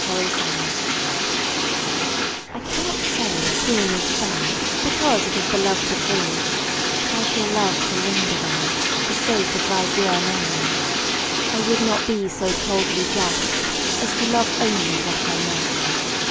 IMPARTIALITY I cannot say a scene is fair Because it is beloved of thee But I shall love to linger there, For sake of thy dear memory; I would not be so coldly just As to love only what I must.